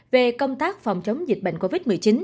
về công tác phòng chống dịch bệnh covid một mươi chín